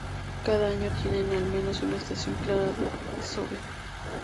Cada año tienen, al menos, una estación clara de desove.